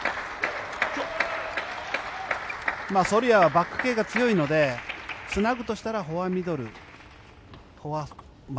ソルヤはバック系が強いのでつなぐとしたらフォアミドルフォア前。